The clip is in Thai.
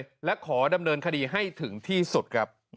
และขอดำเนินคดีให้ถึงที่สุดครับ